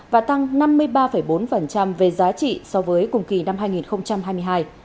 và tăng năm mươi ba bốn về giá trị so với cùng kỳ năm hai nghìn hai mươi hai